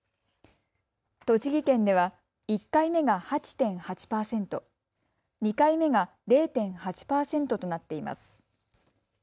栃木県では１回目が８．８％、２回目が０．８％となっています。